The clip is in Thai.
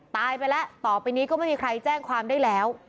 ตายไปแล้วต่อไปนี้ก็ไม่มีใครแจ้งความได้แล้ว